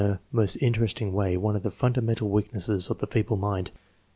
VHE, 5 221 a most interesting way one of the fundamental weaknesses of the feeble mind.